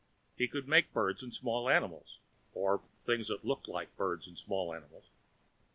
He could make birds and small animals, or things that looked like birds and small animals.